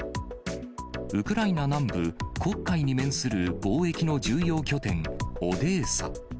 ウクライナ南部、黒海に面する貿易の重要拠点、オデーサ。